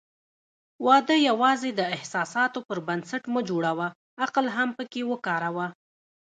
واده یوازې د احساساتو پر بنسټ مه جوړوه، عقل هم پکې وکاروه.